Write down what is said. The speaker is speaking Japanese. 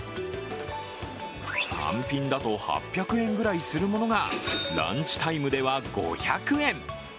単品だと８００円ぐらいするものがランチタイムでは５００円。